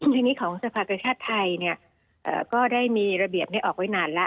ทีนี้ของสภากชาติไทยก็ได้มีระเบียบนี้ออกไว้นานแล้ว